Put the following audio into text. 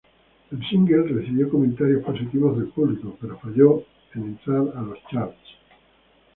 El single recibió comentarios positivos del público pero falló en entrar a los charts.